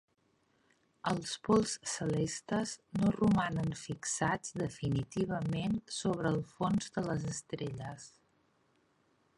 Els pols celestes no romanen fixats definitivament sobre el fons de les estrelles.